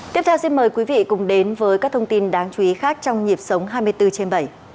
tiếp theo xin mời quý vị cùng đến với các thông tin đáng chú ý khác trong nhịp sống hai mươi bốn trên bảy